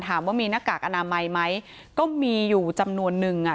ถามว่ามีหน้ากากอนามัยไหมก็มีอยู่จำนวนนึงอ่ะ